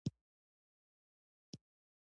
بیعت څه دی؟